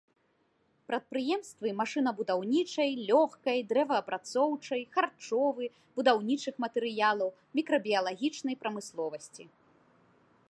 Прадпрыемствы машынабудаўнічай, лёгкай, дрэваапрацоўчай, харчовы, будаўнічых матэрыялаў, мікрабіялагічнай прамысловасці.